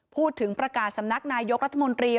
พูดถึงประกาศสำนักนายกรัฐมนตรี